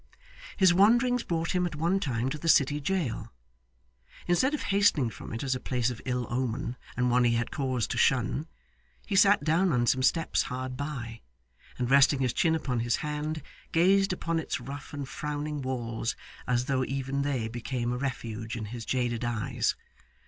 His wanderings brought him at one time to the city jail. Instead of hastening from it as a place of ill omen, and one he had cause to shun, he sat down on some steps hard by, and resting his chin upon his hand, gazed upon its rough and frowning walls as though even they became a refuge in his jaded eyes.